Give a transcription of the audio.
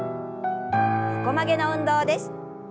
横曲げの運動です。